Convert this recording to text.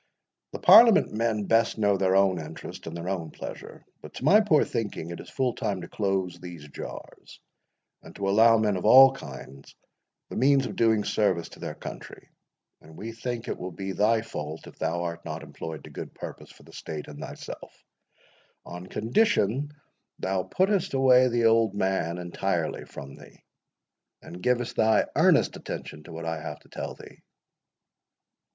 The parliament men best know their own interest and their own pleasure; but, to my poor thinking, it is full time to close these jars, and to allow men of all kinds the means of doing service to their country; and we think it will be thy fault if thou art not employed to good purpose for the state and thyself, on condition thou puttest away the old man entirely from thee, and givest thy earnest attention to what I have to tell thee."